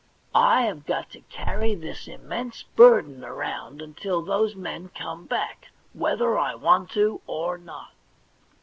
I have got to carry this immense burden around until those men come back, whether I want to or not.